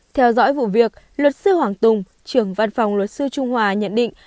theo dõi vụ việc luật sư hoàng tùng trưởng văn phòng luật sư trung hòa nhận định